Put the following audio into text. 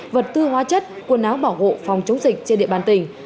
vật tư hóa chất quần áo bảo hộ phòng chống dịch trên địa bàn tỉnh